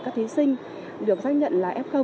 các thí sinh được xác nhận là f